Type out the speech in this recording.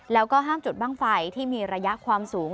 แล้วก็ห้ามจุดบ้างไฟที่มีระยะความสูง